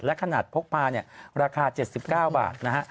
และขนาดพกพาราคา๗๙บาทนะฮะ